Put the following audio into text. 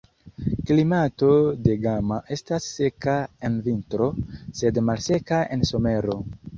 Klimato de Gama estas seka en vintro, sed malseka en somero.